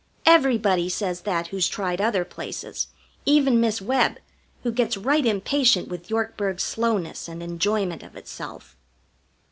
Everybody says that who's tried other places, even Miss Webb, who gets right impatient with Yorkburg's slowness and enjoyment of itself.